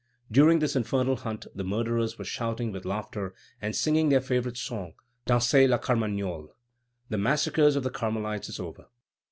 During this infernal hunt the murderers were shouting with laughter and singing their favorite song: Dansez la Carmagnole! The massacre of the Carmelites is over.